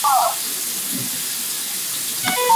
په لمبو د کوه طور کي نڅېدمه